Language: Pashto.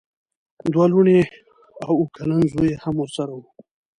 دوه لوڼې او اوه کلن زوی یې هم ورسره وو.